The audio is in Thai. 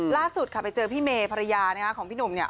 ล่าสุดค่ะไปเจอพี่เมย์ภรรยาของพี่หนุ่มเนี่ย